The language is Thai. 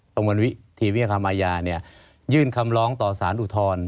กรุงวันวิทย์ธิวิเฮอร์ค้ามายาเนี่ยยื่นคำล้องต่อสารอุทร